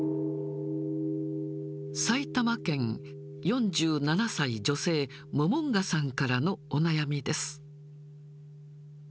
埼玉県、４７歳女性、モモンガさんからのお悩みです。